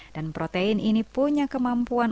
dan protein ini punya kemampuan